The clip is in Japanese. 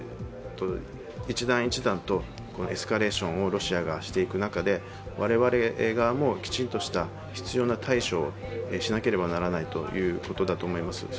一段一段とエスカレーションをロシアがしていく中で我々側もきちんとした必要な対処をしなければならないということだと思います。